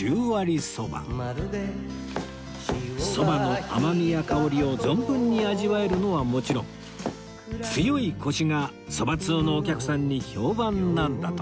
そばの甘みや香りを存分に味わえるのはもちろん強いコシがそば通のお客さんに評判なんだとか